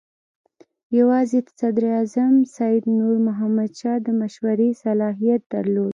یوازې صدراعظم سید نور محمد شاه د مشورې صلاحیت درلود.